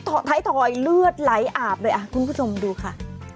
ท้ายถอยเลือดไหลอาบเลยอ่ะคุณผู้ชมดูค่ะ